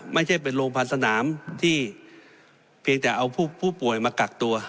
ไม่ใช่เป็นโรงพยาบาลสนามที่เพียงแต่เอาผู้ป่วยมากักตัว